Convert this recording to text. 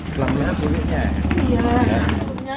kelamanan bel unitnya